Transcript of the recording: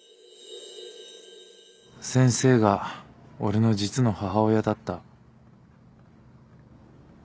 先生が俺の実の母親だった。